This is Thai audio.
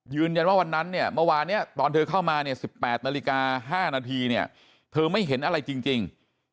วันนั้นเนี่ยเมื่อวานเนี่ยตอนเธอเข้ามาเนี่ย๑๘นาฬิกา๕นาทีเนี่ยเธอไม่เห็นอะไรจริง